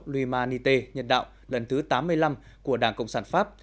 luymanité nhân đạo lần thứ tám mươi năm của đảng cộng sản pháp